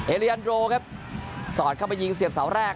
เอเลียนโดสอดเข้าไปยิงเสียงเสาแรก